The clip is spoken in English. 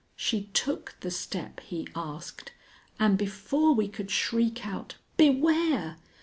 She took the step he asked, and before we could shriek out "Beware!"